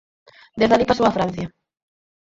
Desde alí pasou a Francia.